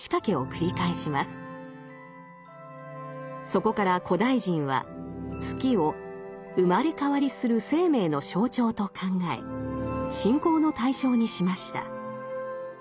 そこから古代人は月を生まれ変わりする生命の象徴と考え信仰の対象にしました。